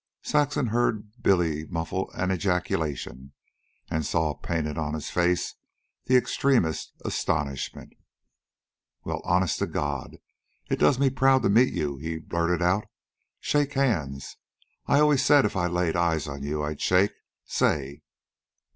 Saxon heard Billy muffle an ejaculation, and saw painted on his face the extremest astonishment. "Well, honest to God, it does me proud to meet you," he blurted out. "Shake hands. I always said if I laid eyes on you I'd shake. Say!"